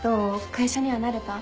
会社には慣れた？